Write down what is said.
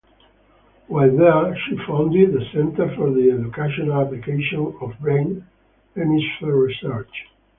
While there, she founded the Center for the Educational Applications of Brain Hemisphere Research.